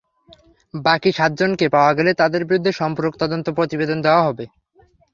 বাকি সাতজনকে পাওয়া গেলে তাঁদের বিরুদ্ধে সম্পূরক তদন্ত প্রতিবেদন দেওয়া হবে।